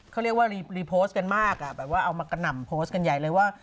เขาเรียกว่ารีโพสต์กันมากอ่ะแบบว่าเอามากระหน่ำโพสต์กันใหญ่เลยว่า